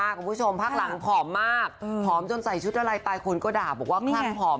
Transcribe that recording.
คือต้องพิสูจน์ภาคหลังผอมมากผอมจนใส่ชุดอะไรตายคนก็ด่าบว่าวันผอม